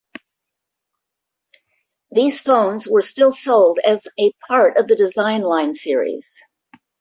These phones were still sold as a part of the Design Line series.